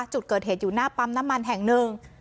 จุดเกิดเหตุอยู่หน้าปั๊มน้ำมันแห่งหนึ่ง